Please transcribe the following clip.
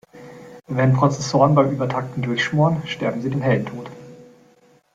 Wenn Prozessoren beim Übertakten durchschmoren, sterben sie den Heldentod.